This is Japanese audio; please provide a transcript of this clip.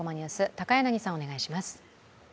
高柳さん、お願いします。